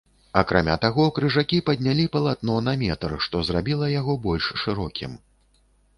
Акрамя таго, крыжакі паднялі палатно на метр, што зрабіла яго больш шырокім.